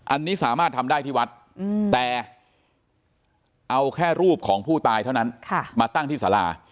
อันนี้สามารถทำได้ที่วัดแต่เอาแค่รูปของผู้ตายเท่านั้นมาตั้งที่สารา